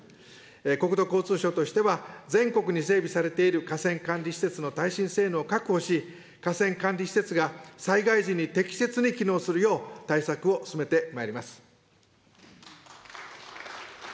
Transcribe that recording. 国土交通省としては、全国に整備されている河川管理施設の耐震性能を確保し、河川管理施設が災害時に適切に機能するよう、対策を進めてまいります。